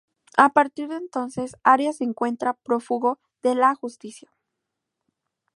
A partir de entonces, Arias se encuentra prófugo de la justicia.